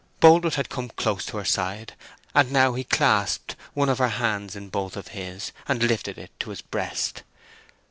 Boldwood had come close to her side, and now he clasped one of her hands in both his own, and lifted it to his breast.